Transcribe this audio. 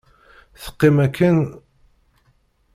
Teqqim akken…